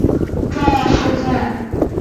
艾辛格毁灭之战的其中一个重要事件。